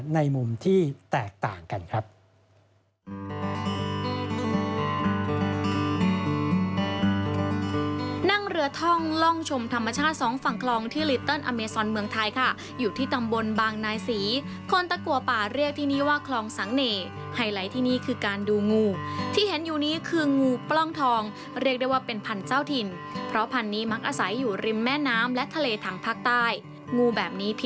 ในมุมที่แตกต่างกันครับ